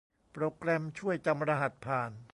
โปรแกรมช่วยจำรหัสผ่าน